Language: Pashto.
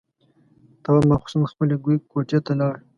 تواب ماخستن خپلې کوټې ته لاړ.